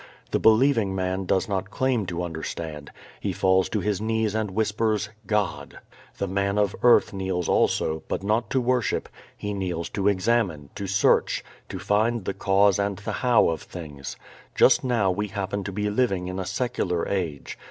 The believing man does not claim to understand. He falls to his knees and whispers, "God." The man of earth kneels also, but not to worship. He kneels to examine, to search, to find the cause and the how of things. Just now we happen to be living in a secular age.